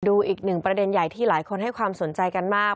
อีกหนึ่งประเด็นใหญ่ที่หลายคนให้ความสนใจกันมาก